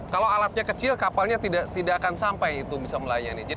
kalau alatnya kecil kapalnya tidak akan sampai itu bisa melayani